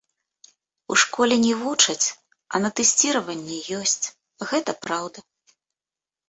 У школе не вучаць, а на тэсціраванні ёсць, гэта праўда.